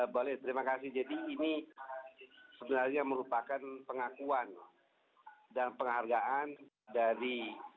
baik terima kasih jadi ini sebenarnya merupakan pengakuan dan penghargaan dari